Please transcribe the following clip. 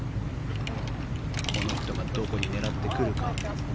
この人がどこに狙ってくるか。